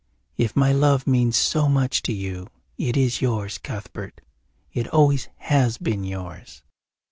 If my love means so much to you it is yours, Cuthbert it always has been yours."